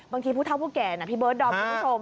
ผู้เท่าผู้แก่นะพี่เบิร์ดดอมคุณผู้ชม